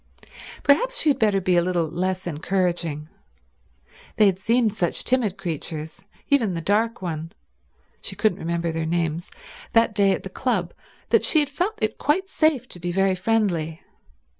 Perhaps she had better be a little less encouraging. They had seemed such timid creatures, even the dark one—she couldn't remember their names—that day at the club, that she had felt it quite safe to be very friendly.